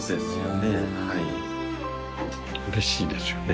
うれしいですよね。